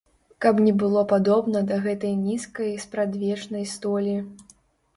Каб не было падобна да гэтай нізкай спрадвечнай столі.